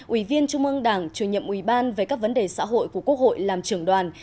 ủy viên trung ương đảng chủ nhiệm ủy ban về các vấn đề xã hội của quốc hội làm trưởng đoàn